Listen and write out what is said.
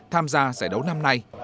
tham gia giải đấu năm nay